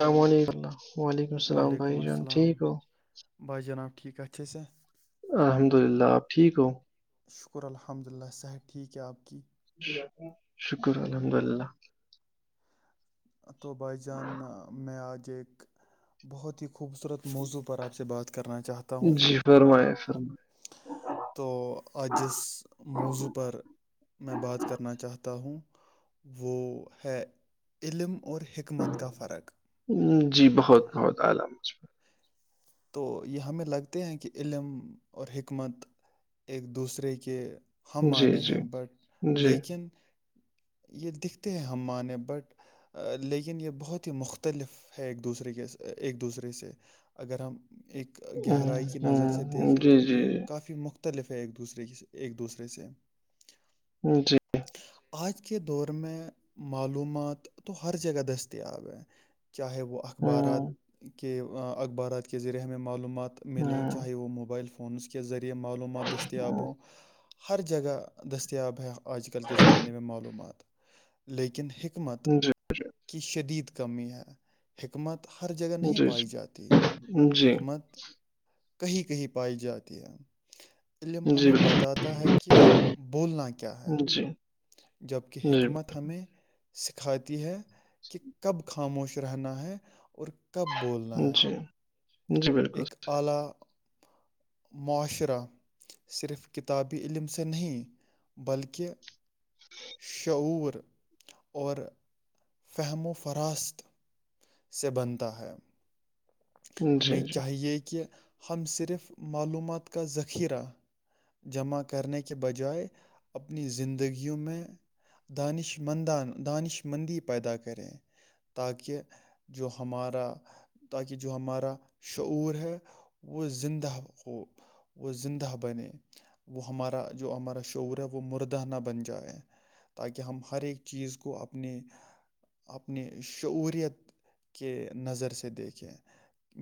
السلام علیکم اللہ و علیکم السلام بھائی جان ٹھیک ہو بائے جناب ٹھیک کات سا الحمد للہ آپ ٹھیک ہو شکر الحمد للہ صحت ٹھیک ہے آپ کی شکر الحمد اللہ تو بھائی جان میں آج ایک بہت ہی خوبصورت موضوع پر آپ سے بات کرنا چاہتا ہوں جی فرمائے تو آ جس موضوع پر میں بات فرمائے کرنا چاہتا ہوں وہ ہے علم اور حکمت کا فرق مجم تو یہ ہمیں لگتے ہیں کہ علم اور حکمت ایک دوسرے کے ہم جی معنے ہیں جی بٹ جی لیکن یہ دکھتے ہیں ہم معنی بٹ لیکن یہ بہت ہی مختلف ہے ایک دوسرے کے ایک دوسرے سے اگر ہم ایک ہوں، گہرائی کی نظر سے ہوں، دیکھیں جی تو جی یہ کافی مخت مختلف ہے ایک دوسرے کی ایک دوسرے سے ج جی [unintelligible] آج کے دور میں معلومات تو ہر جگہ دستیاب ہیں چاہے وہ [unintelligible] اخبارات ہوں، کے اخبارات کے ذریعے ہمیں معلومات ملیں ہوں، چاہے وہ موبائل فون فونس کے ذریعے معلومات دستیاب ہوں ہر جگہ دستیاب ہے آج کل کے زمانے میں معلومات لیکن حکمت جی جی کی شدید کمی ہے حکمت ہر جگہ نہیں جی پائی جاتی جی حکمت کہیں کہیں پائی جاتی ہے علم جی جی ہمیں بتاتا ہے کہ بولنا کیا ہے جی جبک حکمت ہمیں سکھاتی ہے کہ کب کھا خاموش رہنا ہے اور کب بولنا ہے جی جی بالکل ایک اعلی معاشرہ صرف کتابی علم سے نہیں بلکہ شعور اور فہم و فراست سے بنتا ہے جی ہمیں جی چاہیے کہ ہم صرف معلومات کا ذخیرہ جمع کرنے کے بجائے اپنی زندگیوں میں دانش مندان دانش مندی پیدا کریں تاکہ جو ہمارا تاکہ جو ہمارا شعور ہے وہ زندہ کو وہ زندہ بنے وہ ہمارا جو ہمارا شعور ہے وہ مردہ نہ بن جائے تاکہ ہم ہر ایک چیز کو اپنے اپنی شعورت کے نظر سے دیکھیں ہے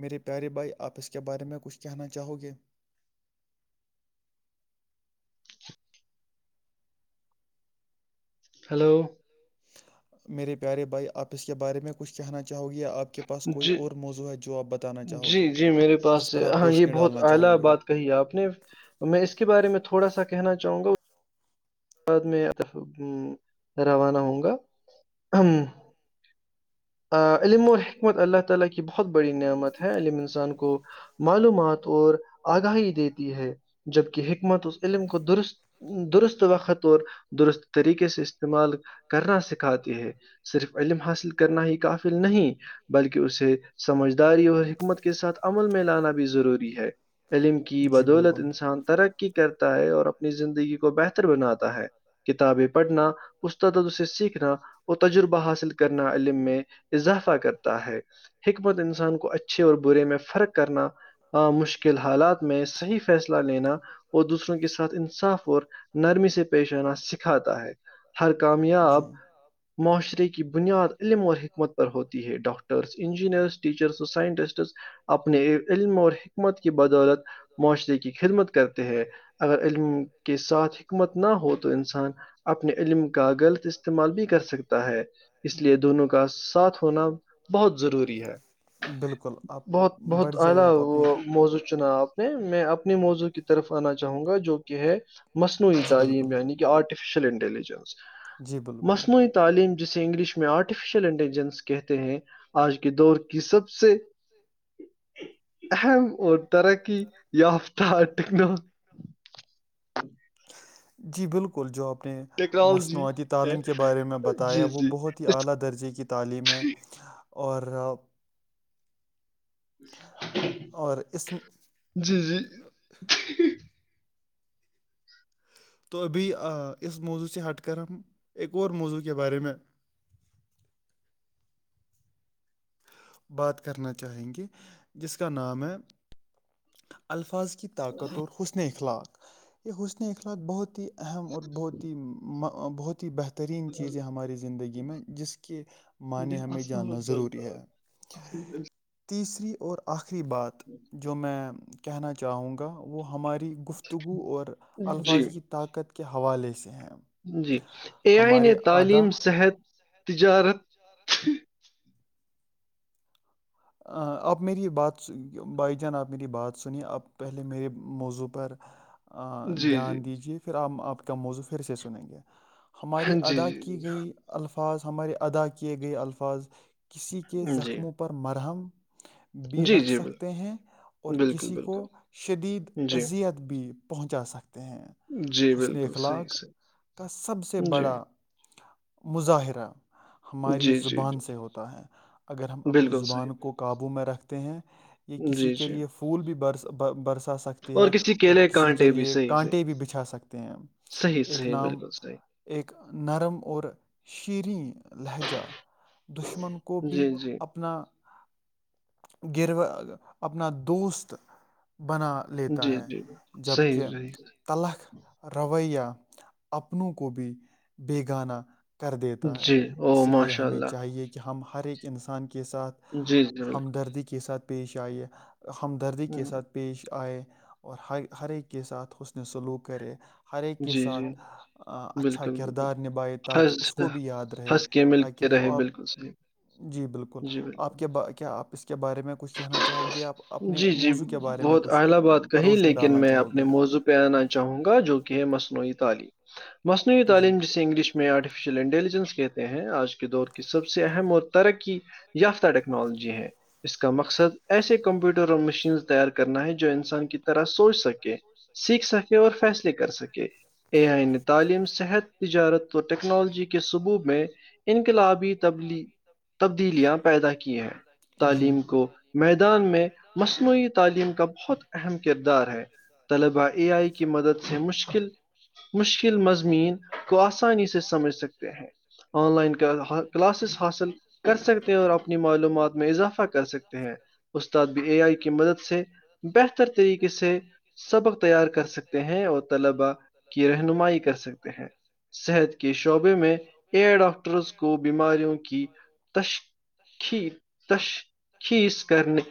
میرے پیارے بھائی آپ اس کے بارے میں کچھ کہنا چاہو گے ہلو میرے پیارے بھائی آپس کے بارے میں کچھ کہنا چاہو گی آپ کے پاس کوئی جی اور موضوع ہے جو آپ بتانا چاہو جی، گے جی، میرے جس پاس پر آپ ہاں، یہ روشنی بہت ڈالنا اعلیٰ چاہو گے بات کہی آپ نے میں اس کے بارے میں تھوڑا سا کہنا چاہوں گا بعد میں روانہ ہوگا بہت بڑی نعمت ہے علم انسان کو معلومات اور آگاہی دیتی ہے جبکہ حکمت اس علم کو درست درست وقت اور درست طریقے سے استعمال کرنا سکھاتی ہے صرف علم حاصل کرنا ہی کافل نہیں بلکہ اسے سمجھداری اور حکمت کے ساتھ عمل میں لانا بھی ضروری ہے علم کی جی بدولت بالکل انسان ترقی کرتا ہے اور اپنی زندگی کو بہتر بناتا ہے کتابیں پڑھنا استادد اس سے سیکھنا اور تجربہ حاصل کرنا علم میں اضافہ کرتا ہے حکمت انسان کو اچھے اور برے میں فرق کرنا مشکل حالات میں صحیح فیصلہ لینا اور دوسروں کے ساتھ انصاف اور نرمی سے پیش آنا سکھاتا ہے ہر جی کامیاب معاشرے کی بنیاد علم اور حکمت پر ہوتی ہے ڈاکٹرس انجینئرس ٹیچرس اور سائنٹسٹس اپنے علم اور حکمت کی بدولت معاشرے کی خدمت کرتے ہیں اگر علم کے ساتھ حکمت نہ ہو تو انسان اپنے علم کا غلط استعمال بھی کر سکتا ہے اس لیے دونوں کا ساتھ ہونا بہت ضروری ہے بالکل آپ بہت بڑھ بہت جائیے اعلی آپ اپنی وہ موضوع چنا آپ میں اپنے موضوع کی طرف آنا چاہوں گا جو کہ ہے مصنوعی جی بالکل تعلیم یعنی کہ آرٹیفیشیل انٹیلیجنس جی بالکل مصنوعی تعلیم جسے انگلش میں میں آرٹیفیشیل انٹیلیجنس کہتے ہیں آج کے دور کی سب سے وہ دارا کی یہ ہفت جی بالکل جو آپ نے ٹیکنالوجی مصنوعات ہے تعلیم کے بارے میں بتایا جی وہ جی بہت ہی اس اعلی درجے کی تعلیم ہے اور اور اس جی جی تو بھی اس موضوع سے ہٹ کر ہم ایکہ اور موضوع کے بارے میں بات کرنا چاہیں گے جس کا نام ہے الفاظ کی طاقتور حسن اخلاق یہ حسن اخلاق بہت ہی اہم اور بہت ہی بہت ہی بہتر بہترین چیزیں ہماری زندگی میں جس کے معنی ہمیں جاننا ضروری ہے [inaudible] تیسری اور آخری بات جو میں کہنا چاہوں گا وہ ہماری گفتگو اور جی الفاظ کی طاقت کے حوالے سے ہیں جی اے آئی نے ہمارے ادا تعلیم صحت تجارت آپ میری بات بھائی جان آپ میری بات سنیے آپ پہلے میرے موضوع پر جی جی دھیان دیجیے پھر آپ آپ کا موضو پھر سے سنیں گے ہماری جی ادا کی گئی الفاظ ہمارے ادا کیے گئے الفاظ کسی کے جی زخموں پر مرہم بھی جی رکھ جی بل- سکتے ہیں اور بالکل کسی کو بالکل شدید جی اذیت بھی پہنچا سکتے ہیں جی حسنی بالکل صحیح اخلاق صحیح کا سب سے جی بڑا مظاہرہ ہماری جی جی زبان سے ہوتا ہے اگر ہم جی اپنی بالکل زبان صحیح کو کاابو میں رکھتے ہیں یہ کسی جی کے جی لیے پھول بھی برس برس سکتی ہے کسی اور کیلے کسی کے کانٹے بھی لیے صحیح صحیح کانٹے بھی بچھا سکتے ہیں صحیح ایک صحیح نام بالکل صحیح ایک نرم اور شیریں لہجہ دشمن کو بھی جی جی اپنا گروا اپنا دوست بنا لیتا جی ہے جی بالکل صحیح جبکہ صحیح تلخ رویہ اپنوں کو بھی بےگانہ کر دیتا ہے جی او اسی لیے ماشاء ہمیں اللہ چاہیے کہ ہم ہر ایک انسان کے ساتھ جی جی بالکل ہمدردی کے ساتھ پیش آئیے ہمدردی کے ہوں، ساتھ پیش آئے اور ہر ہر ایک کے ساتھ حسن سلوک کرے ہر ایک کے جی جی ساتھ اچھا بالکل بالکل کردار نبھائے تاکہ ہنس اس کو بھی یاد رہے ہنس کے مل تاکہ کے رہے وہ بالکل آپ صحی جی بالکل آپ کے با کیا آپ اس کے بارے میں کچھ کہنا چاہ چاہو گے آپ اپنے جی جی موضوع کے بارے میں بہت کچھ اعلیٰ بات کہی پروشنی لیکن ڈالنا میں چاہو اپنے گے موضوع آنا چاہوں گا جو کہ ہے مصنوعی تعلیم مصنوعی جی تعلیم جسے انگلش میں میں آرٹیفیشیل انٹیلیجنس کہتے ہیں آج کے دور کی سب سے اہم اور ترقی یافتہ ٹیکنالوجی ہے اس کا مقصد ایسےے کمپیوٹر اور مشینس تیار کرنا ہے جو انسان کی طرح سوچ سکے سیکھ سکے اور فیصلے کر سکے اے آئی نے تعلیم صحت تجارت و ٹیکنالوجی کے سبوت میں انقلابی تبدیلیاں پیدا کیے ہیں جی تعلیم کو مح ان میں مصنوعی تعلیم کا بہت اہم کردار ہے طلبہ اے آئی کی مدد سے مشکل مشکل مضمین کو آسانی سے سمجھ سکتے ہیں آن لائن کلاسز حاصل کر سکتے ہیں اور اپنی معلومات میں اضافہ استاد بھی اے آئی کی مدد سے بہتر طریقے سے سبق تیار کر سکے ہیں اور طلبا کی رہنمائی کر سکتے ہیں صحت کے شعبے میں ا ڈ ڈاکٹرز کو بیماریوں کی تش کھی تش کیس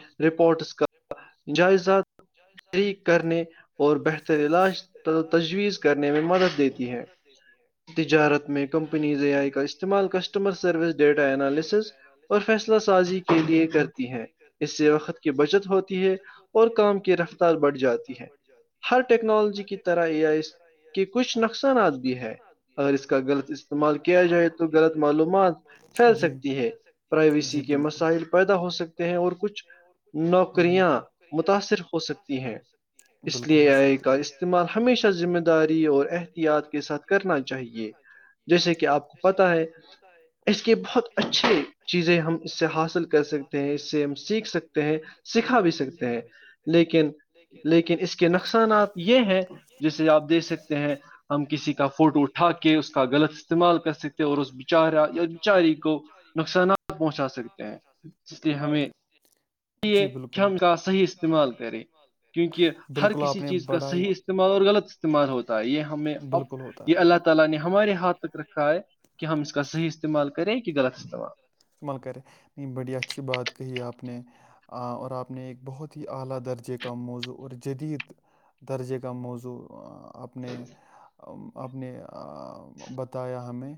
س کرنے رپورٹس کا جائزہ جائیداد تحریک کرنے تدق اور کرنے بہتر اور علاج بہتر علاج تجویز کرنے میں تجویز مدد کرنے میں دیتی ہے مدد دیتی ہے تجارت میں کمپنیز آئی کا استعمال کسٹمر سروس ڈیٹا انالسز اور فیصلہ سازی کے لیے کرتی ہے وقت کی بچت ہوتی ہے اور کام کی رفتار بڑھ جاتی ہے ہر ٹیکنالوجی کی طرح یا اس کے کچھ نقصانات بھی ہے اور اس کا غلط استعمال استعمال کیا جائے تو غلط معلومات پھیل جی سکتی ہے جی پرائیویسی کے بالکل مسائل پیدا ہو سکتے ہیں اور کچھ ہوں ہوں نوکریاں متاثر ہو سکتی ہیں اس بالکل لیے ہو سکتے آئے کا اس استعمال ہمیشہ ذمہ داری اور احتیاط کے ساتھ کرنا چاہیے جیسے کہ آپ کو پتا ہے اس کے بہت اچھے چیزیں ہم اس سے حاصل کر سکتے ہیں اس سے ایم سی سکتے ہیں سکھا بھی سکتے ہیں لیکن لیکن اس کے نقصانات یہ ہیں جسے آپ دیکھ سکتے ہیں ہم کسی کا فوٹو اٹھا کے اس کا غلط استعمال کر سکتے اور اس بیچارا یا بچاری کو نقصانات پہنچا سکتے ہیں اس لیے ہمیں س ک ی صحیح استعمال کریں کیونکہ ہر بالکل کسی آپ چیز کا صحیح استعمال اور غلط استعمال ہوتا ہے یہ ہمیں اب یہ ہے اللہ تعالی نے ہمارے ہاتھ تک رکھا ہے کہ ہم اس کا صحیح استعمال کریں کہ غلط استعمال استعمال کرے نہیں بڑی اچھی بات کہی آپ آپ نے اور آپ نے ایک بہت ہی اعلی درجے کا موضوع اور جدید درجے کا موضوع اپنے اپ نے بتایا ہمیں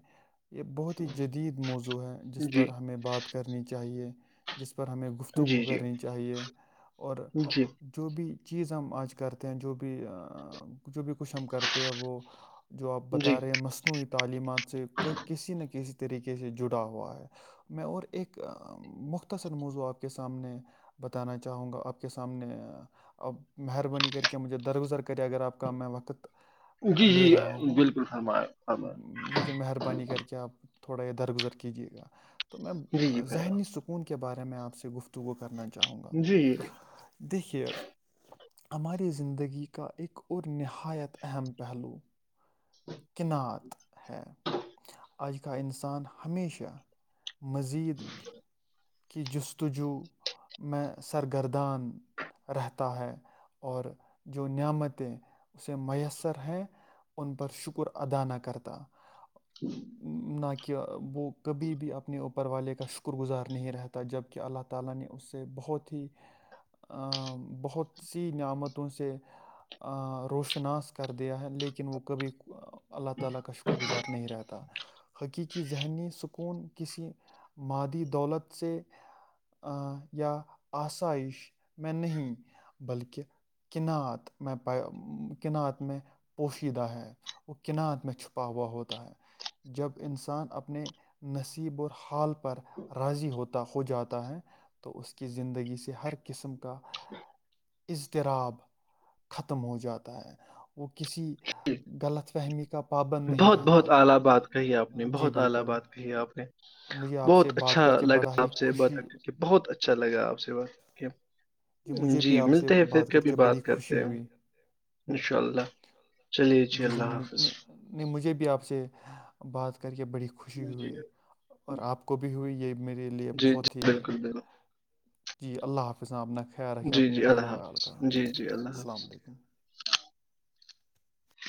یہ بہت ہی جدید موضوع ہے جس جی پر ہمیں بات کرنی چاہیے جس پر ہمیں گفتگو جی جی کرنی چاہیے اور جی جو بھی چیز ہم آج کرتے ہیں جو بھی جو بھی کچھ ہم کرتے ہیں وہ جو آپ جی بتا رہے ہیں مصنوعی تعلیمات سے کسی نہ کسی طریقے سے جڑا ہوا ہے میں اور ایک مختصر موضوع آپ کے سامنے بتانا چاہوں گا آپ کے سامنے اب مہربانی کر کے مجھے درگزر کرے اگر آپ کا میں وقت آ، جی جی لے رہا ہوں بالکل فرمایا فرمایا م، لیکن مہربانی کر کے آپ تھوڑا یہ درگزر کیجیے گا تو میں جی جی ذہنی فیضان سکون کے بارے میں آپ سے گفتگو کرنا چاہوں گا جی جی دیکھیے ہماری زندگی کا ایک اور نہایت اہم پہلو [unintelligible] ہچ کینعات ہے آج کا انسان ہمیشہ مزید کہ جستجو میں سرگرردان رہتا ہے اور جو نعمتیں اسے میسر ہیں ان پر شکر ادا نہ کرتا ہ [inaudible] [inaudible] نہ کہ وہ کبھی بھی اپنے اوپر والے کا شکر گزار نہیں رہتا جب کہہ اللہ تعالی نے اس سے بہت ہی بہت سی نعمتوں سے روشناس کر دیا ہے لیکن وہ کبھی اللہ تعالی کا شکر گزار نہیں رہتا حقیقی ذہنی سکون کسی مادی دولت سے یا آائش میں نہیں بلکہ کینعت میں پ کینعت میں پوشیدہ ہے وہ کینات میں چھپا ہوا ہوتا ہے جب انسان اپنے نصیب اور حال پر راضی ہو ہوتا ہو جاتا ہے تو اس کی زندگی سے ہر قسم کا اضطراب ختم ہو جاتا ہے وہ کسی غلط فہمی کا پابند نہیں بہت رہتا بہت اعلی بات کہی آپ نے جی بہت اعلی بالکل بات کہی آپ نے مجھے آپ سے بہت بات اچھا کر کے بڑا لگا ہی آپ سے ب خوشی بہت اچھا لگا آپ سے بات مجھے جی بھی آپ سے ملتے ہیں پھر کر کبھی کے بات بڑی خوشی کرتے ہیں ہوئی انشاء اللہ چلیے جی اللہ مجھ- حافظ نہیں نہیں، مجھے بھی آپ سے بات کر کے بڑی خوشی ہوئی اور آپ کو بھی ہوئی یہ بھی میرے لیے جی جی بہت ہی بالکل بالکل جی اللہ حافظ نب نکھ خیایر رکھ کہ جی اپنے جی اللہ حلو عال حافظ کا جی جی اللہ حافظ السلام علیکم